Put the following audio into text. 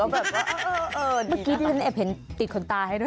เมื่อกี้ที่ฉันแอบเห็นติดขนตาให้ด้วย